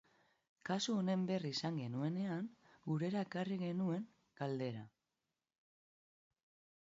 Kasu honen berri izan genuenean gurera ekarri genuen galdera.